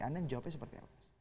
anda menjawabnya seperti apa